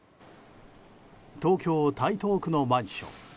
東京・台東区のマンション。